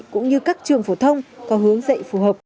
cũng như các trường phổ thông có hướng dạy phù hợp